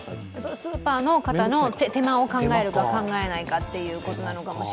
スーパーの方の手間を考えるか、考えないかということかも。